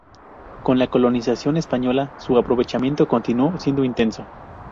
Con la colonización española su aprovechamiento continuó siendo intenso.